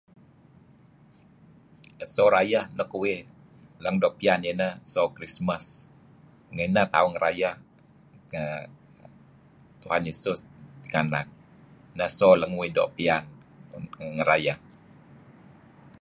Eso rayeh nuk uih doo' piyan ineh so Krismas. Nginah tauh ngerayah Tuhan Yesus tinganak. Leng-leng uih doo' piyan. tuen ngerayah.